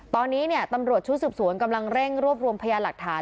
ตอนนี้ตำรวจชุดสืบสวนกำลังเร่งรวบรวมพยานหลักฐาน